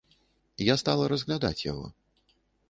Я стала разглядаць яго.